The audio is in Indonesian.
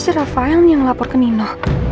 itu si rafael yang lapor ke nino